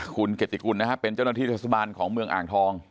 คุณเกติกุลนะฮะเป็นเจ้าหน้าที่เทศบาลของเมืองอ่างทอง